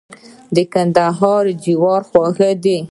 د کندهار جوار خوږ دي.